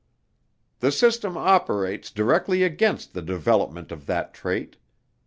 "The system operates directly against the development of that trait.